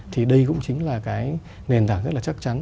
thì đây cũng chính là cái nền tảng rất là chắc chắn